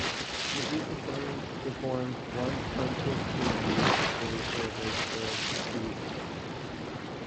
The group performs one concert per year, for which they rehearse for two weekends.